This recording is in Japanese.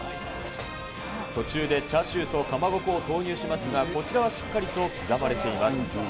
途中でチャーシューとかまぼこを投入しますが、こちらはしっかりと刻まれています。